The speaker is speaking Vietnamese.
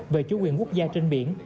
về chủ quyền quốc gia trên biển